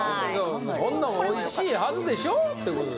こんなんおいしいはずでしょうってことです